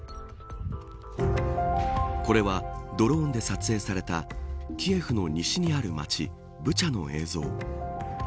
これは，ドローンで撮影されたキエフの西にある街ブチャの映像。